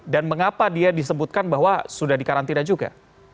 dan mengapa dia disebutkan bahwa sudah dikarantina juga